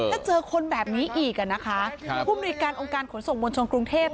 ถ้าเจอคนแบบนี้อีกนะคะผู้มนุยการองค์การขนส่งมวลชนกรุงเทพ